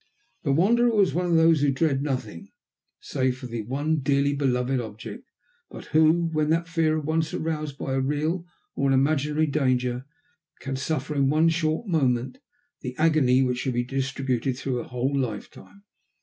The Wanderer was of those who dread nothing save for the one dearly beloved object, but who, when that fear is once roused by a real or an imaginary danger, can suffer in one short moment the agony which should be distributed through a whole lifetime.